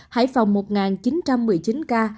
hải phòng một chín trăm một mươi chín ca